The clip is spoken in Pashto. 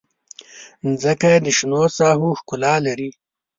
مځکه د شنو ساحو ښکلا لري.